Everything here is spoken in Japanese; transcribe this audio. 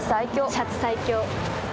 シャチ最強。